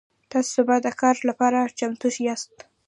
تاسو سبا د کار لپاره چمتو یاست؟